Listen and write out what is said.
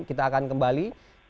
kita akan kembali